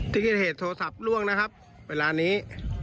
ที่เกิดเหตุโทรศัพท์ล่วงนะครับเวลานี้